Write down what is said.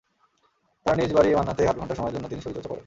তাঁর নিজ বাড়ি মান্নাতে আধা ঘণ্টা সময়ের জন্য তিনি শরীরচর্চা করেন।